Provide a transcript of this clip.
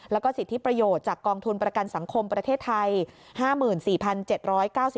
แล้วก็สิทธิประโยชน์จากกองทุนประกันสังคมประเทศไทย